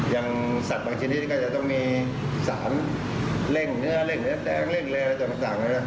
สัตว์บางชนิดก็จะต้องมีสารเร่งเนื้อเร่งเนื้อแดงเร่งอะไรต่าง